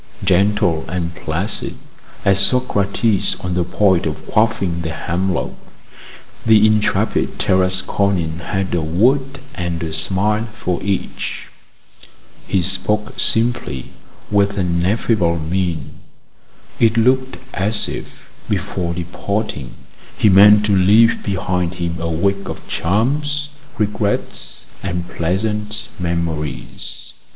Gentle and placid as Socrates on the point of quaffing the hemlock, the intrepid Tarasconian had a word and a smile for each. He spoke simply, with an affable mien; it looked as if, before departing, he meant to leave behind him a wake of charms, regrets, and pleasant memories.